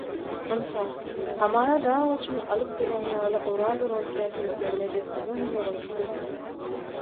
Ynha, hamana dag goçyny alyp gelen ýaly Oraz uran käkiliklerini ejesiniň oňünde goýupdy.